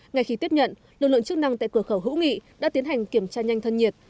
ngay khi tiếp nhận lực lượng chức năng tại cửa khẩu hữu nghị đã tiến hành kiểm tra nhanh thân nhiệt